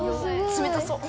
冷たそう。